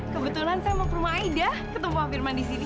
kebetulan saya mau ke rumah aida ketemu pak firman di sini